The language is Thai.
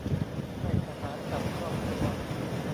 ให้ทหารกับครอบครัว